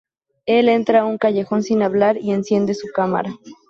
Él entra a un callejón sin hablar, y enciende su cámara.